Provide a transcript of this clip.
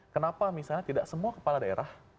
kenapa misalnya tidak semua kepala daerah